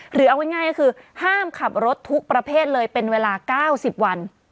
หรือเอาไว้ง่ายคือห้ามขับรถทุกประเภทเลยเป็นเวลาเก้าสิบวัน